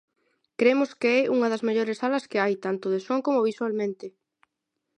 Cremos que é unha das mellores salas que hai, tanto de son como visualmente.